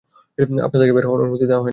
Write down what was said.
আপনাদেরকে বের হওয়ার অনুমতি দেওয়া হয়নি এখনও।